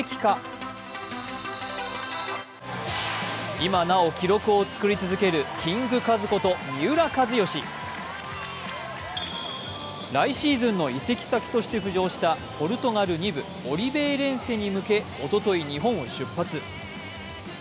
今なお記録を作り続けるキングカズこと三浦知良。来シーズンの移籍先として浮上したポルトガル２部オリヴェイレンセに向けおととい日本を出発。